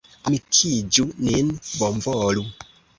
Amikiĝu nin, bonvolu!